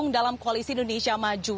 dalam koalisi indonesia maju